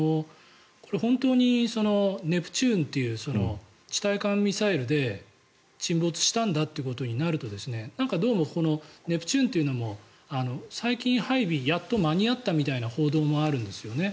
本当にネプチューンという地対艦ミサイルで沈没したんだということになるとどうもネプチューンというのも最近、配備やっと間に合ったみたいな報道もあるんですよね。